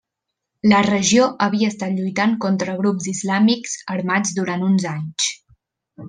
La regió havia estat lluitant contra grups islàmics armats durant uns anys.